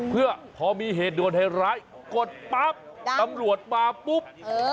เพื่อพอมีเหตุด่วนให้ร้ายกดปั๊บตำรวจมาปุ๊บ